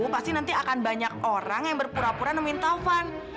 pasti nanti akan banyak orang yang berpura pura nominal fun